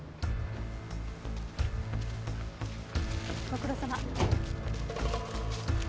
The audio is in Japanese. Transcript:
ご苦労さま。